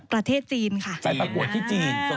ประเทศจีนค่ะไปประกวดที่จีน